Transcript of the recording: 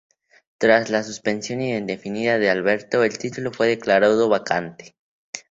Tras la suspensión indefinida de Alberto, el título fue declarado vacante.